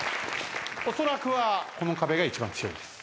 おそらくはこの壁が一番強いです。